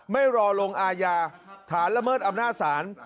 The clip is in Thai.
ไม่รอลงอาญาฐานละเมิดอำนาจศาล